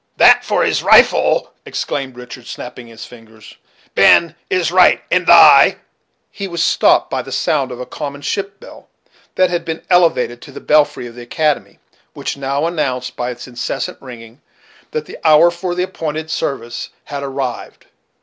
"That for his rifle!" exclaimed Richard, snapping his fingers; "Ben is right, and I " He was stopped by the sound of a common ship bell, that had been elevated to the belfry of the academy, which now announced, by its incessant ringing, that the hour for the appointed service had arrived.